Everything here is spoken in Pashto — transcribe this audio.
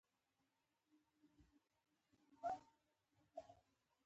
الوتکه د نړۍ د تحول یوه نښه ده.